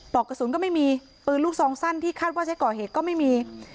อกกระสุนก็ไม่มีปืนลูกซองสั้นที่คาดว่าใช้ก่อเหตุก็ไม่มี